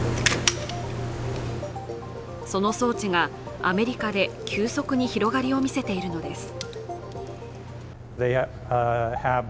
その装置がアメリカで急速に広がりを見せているのです。